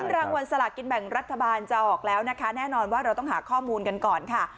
รางวัลสลากินแบ่งรัฐบาลจะออกแล้วนะคะแน่นอนว่าเราต้องหาข้อมูลกันก่อนค่ะ